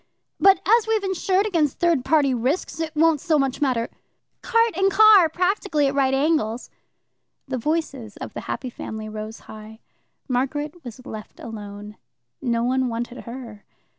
" But as we've insured against third party risks, it won't so much matter "" Cart and car being practically at right angles " The voices of the happy family rose high. Margaret was left alone. No one wanted her.